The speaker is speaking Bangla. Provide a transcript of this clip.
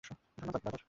ধন্যবাদ, ব্রাদার।